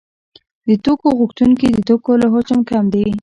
د توکو غوښتونکي د توکو له حجم کم دي